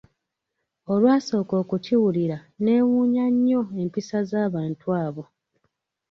Olwasooka okukiwulira neewuunya nnyo empisa z'abantu abo.